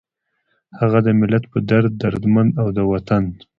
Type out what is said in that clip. هغه د ملت پۀ دړد دردمند، او د وطن